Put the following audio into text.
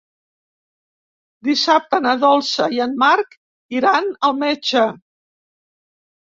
Dissabte na Dolça i en Marc iran al metge.